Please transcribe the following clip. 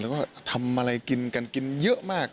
แล้วก็ทำอะไรกินกันกินเยอะมาก